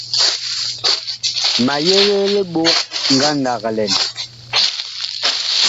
Ma yegee libok ngandag lɛn.